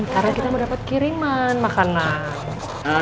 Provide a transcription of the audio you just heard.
karena kita mau dapat kiriman makanan